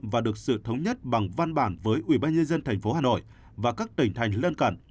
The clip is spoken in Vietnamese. và được sự thống nhất bằng văn bản với ubnd tp hà nội và các tỉnh thành lân cận